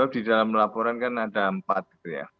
di dalam laporan kan ada empat gitu ya